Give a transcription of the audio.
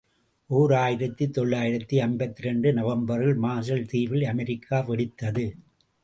ஓர் ஆயிரத்து தொள்ளாயிரத்து ஐம்பத்திரண்டு நவம்பரில் மார்ஷல் தீவில் அமெரிக்கா வெடித்தது.